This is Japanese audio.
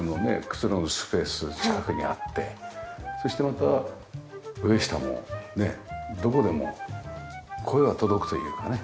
くつろぐスペース近くにあってそしてまた上下もねどこでも声が届くというかね。